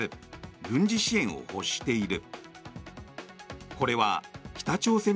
軍事支援を欲している。